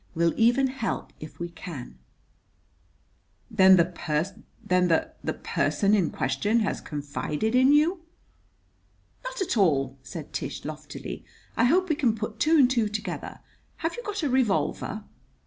We'll even help if we can." "Then the the person in question has confided in you?" "Not at all," said Tish loftily. "I hope we can put two and two together. Have you got a revolver?"